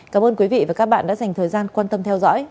cảm ơn quý vị và các bạn đã dành thời gian quan tâm theo dõi